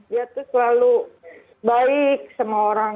dia tuh selalu balik sama orang